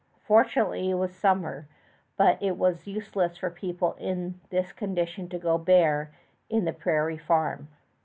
Fortunately it was summer, but it was useless for people in this condition to go bare to the prairie farm.